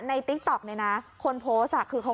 น้องเฮ้ยน้องเฮ้ย